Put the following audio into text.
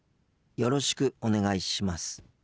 よろしくお願いします。